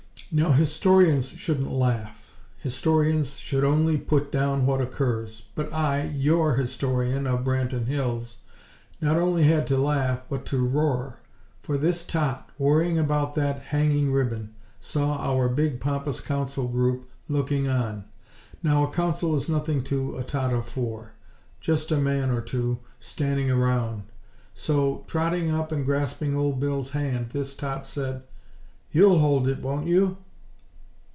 Now historians shouldn't laugh. Historians should only put down what occurs. But I, your historian of Branton Hills, not only had to laugh, but to roar; for this tot, worrying about that hanging ribbon, saw our big pompous Council group looking on. Now a Council is nothing to a tot of four; just a man or two, standing around. So, trotting up and grasping Old Bill's hand, this tot said: "You'll hold it, won't you?"